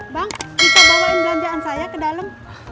bang kita bawain belanjaan saya ke dalam